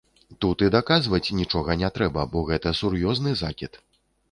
Тут і даказваць нічога не трэба, бо гэта сур'ёзны закід.